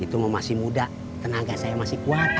itu mau masih muda tenaga saya masih kuat